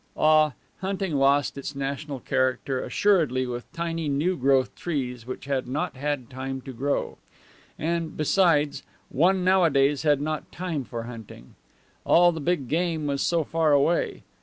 Ah, hunting lost its national character assuredly with tiny new growth trees which had not had time to grow. And, besides, one nowadays had not time for hunting. All the big game was so far away.